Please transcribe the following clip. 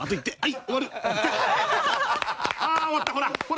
「ああー終わったほら！